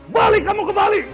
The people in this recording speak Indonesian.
balik kamu ke bali